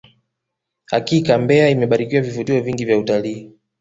hakika mbeya imebarikiwa vivutio vingi vya utalii